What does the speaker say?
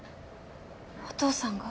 お父さんが？